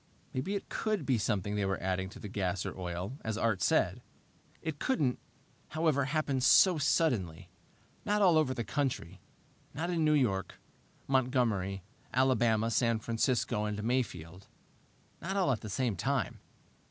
Maybe it could be something they were adding to the gas or oil, as Art said. It couldn't, however, happen so suddenly not all over the country. Not in New York, Montgomery, Alabama, San Francisco, and Mayfield. Not all at the same time.